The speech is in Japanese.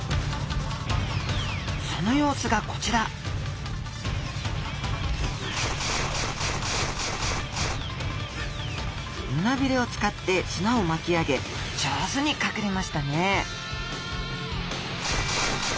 その様子がこちら胸ビレを使って砂を巻き上げ上手に隠れましたね！